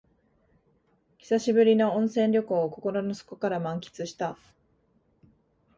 久しぶりの温泉旅行を心の底から満喫した